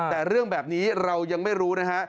แต่เรื่องแบบนี้เรายังไม่รู้นะฮะ